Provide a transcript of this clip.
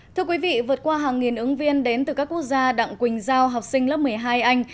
thưa quý vị vượt qua hàng nghìn ứng viên đến từ các quốc gia đặng quỳnh giao học sinh lớp một mươi hai anh